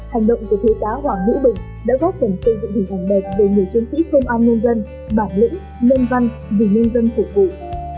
hành động của thiếu tá hoàng hữu bình đã góp phần xây dựng hình ảnh đẹp về người chiến sĩ công an nhân dân bản lĩnh nhân văn vì nhân dân phục vụ